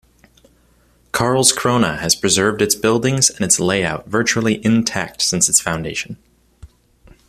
Karlskrona has preserved its buildings and its layout virtually intact since its foundation.